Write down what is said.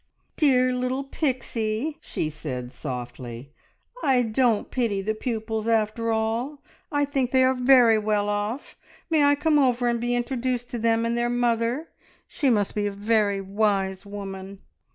"Dear little Pixie," she said softly, "I don't pity the pupils after all. I think they are very well off. May I come over and be introduced to them and their mother? She must be a very wise woman."